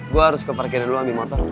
gue harus ke parkiran dulu ambil motor